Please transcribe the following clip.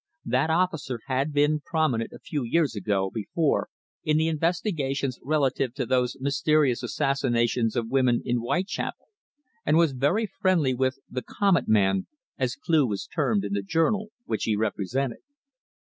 That officer had been prominent a few years before in the investigations relative to those mysterious assassinations of women in Whitechapel, and was very friendly with "the Comet man," as Cleugh was termed in the journal which he represented.